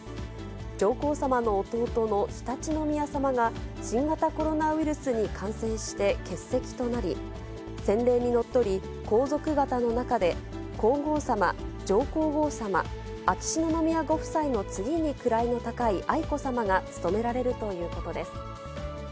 上皇さまの弟の常陸宮さまが新型コロナウイルスに感染して欠席となり、先例にのっとり、皇族方の中で、皇后さま、上皇后さま、秋篠宮ご夫妻の次に位の高い愛子さまが務められるということです。